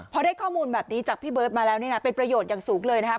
พอได้ข้อมูลแบบนี้จากพี่เบิร์ตมาแล้วนี่นะเป็นประโยชน์อย่างสูงเลยนะครับ